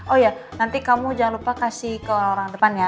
oh iya nanti kamu jangan lupa kasih ke orang orang depan ya